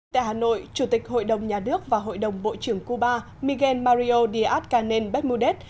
tại hà nội chủ tịch hội đồng nhà nước và hội đồng bộ trưởng cuba miguel mario díaz canel bemudez